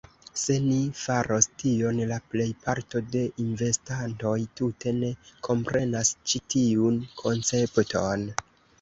Se ni faros tion, la plejparto de investantoj tute ne komprenas ĉi tiun koncepton